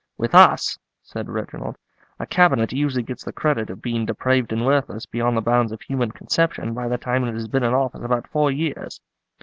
"With us," said Reginald, "a Cabinet usually gets the credit of being depraved and worthless beyond the bounds of human conception by the time it has been in office about four years."